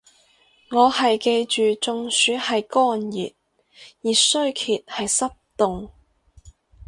我係記住中暑係乾熱，熱衰竭係濕凍